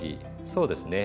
そうですね。